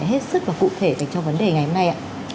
hết sức và cụ thể về vấn đề ngày hôm nay